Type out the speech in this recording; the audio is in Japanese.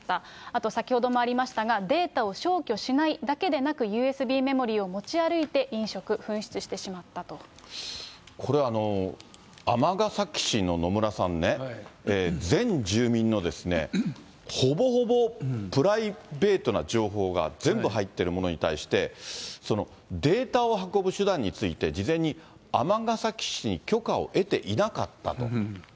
あと、先ほどもありましたが、データを消去しないだけでなく、ＵＳＢメモリを持ち歩いて飲食、これ、尼崎市の、野村さんね、全住民のほぼほぼプライベートな情報が全部入ってるものに対して、データを運ぶ手段について、事前に尼崎市に許可を得ていなかったと。